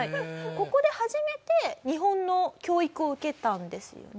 ここで初めて日本の教育を受けたんですよね？